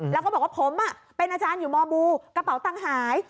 แล้วก็บอกว่าผมเป็นอาจารย์อยู่มบูกระเป๋าตังค์หาย